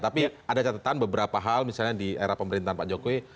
tapi ada catatan beberapa hal misalnya di era pemerintahan pak jokowi